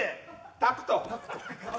タクト。